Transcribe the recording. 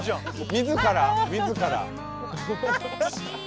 自ら自ら。